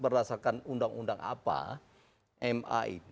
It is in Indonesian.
pertanyaan yang saya ingin berikan kepada anda adalah